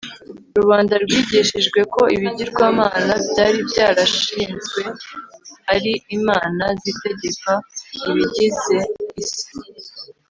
rubanda rwigishijwe ko ibigirwamana byari byarashinzwe ari imana zitegeka ibigize isi